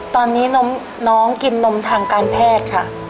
ตอนนี้น้องกินนมทางการแพทย์ค่ะ